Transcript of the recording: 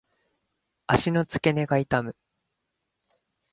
足の付け根が痛む。